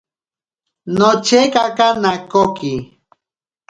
Nochekaka nakoki.